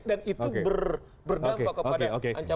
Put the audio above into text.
dan itu berdampak kepada ancaman itu